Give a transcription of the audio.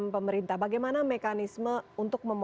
terima kasih pak